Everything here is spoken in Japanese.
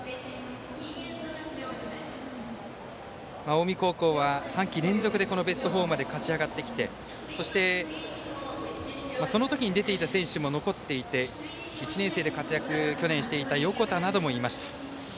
近江高校は３季連続でベスト４まで勝ち上がってきてそして、その時に出ていた選手も残っていて１年生で去年活躍していた横田などもいました。